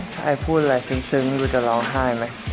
ถ้าไอ้พูดอะไรซึ้งกูจะร้องไห้ไหม